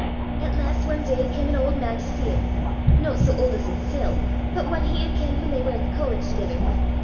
"'At last ae day cam an auld man to see him no sae auld as himsel', but ane he had kenned whan they wur at the college thegither.